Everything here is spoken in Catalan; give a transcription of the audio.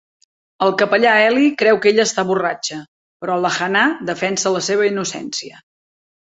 El capellà Eli creu que ella està borratxa, però la Hannah defensa la seva innocència.